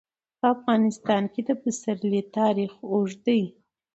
په افغانستان کې د پسرلی تاریخ اوږد دی.